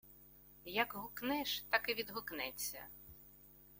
Як гукнеш, так і відгукнеться.